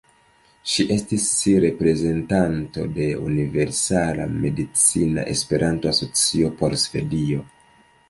Ŝi estis reprezentanto de Universala Medicina Esperanto-Asocio por Svedio.